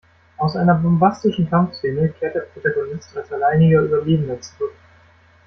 Aus einer bombastischen Kampfszene kehrt der Protagonist als alleiniger Überlebender zurück.